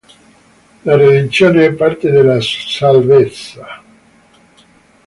La redenzione è parte della salvezza.